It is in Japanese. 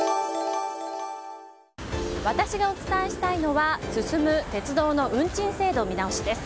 私がお伝えしたいのは進む鉄道の運賃制度見直しです。